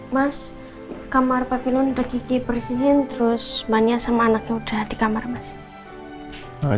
mas kamar pavillon degi persihin terus banyak sama anaknya udah dikamar mas